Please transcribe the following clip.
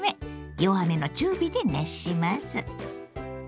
弱めの中火で熱します。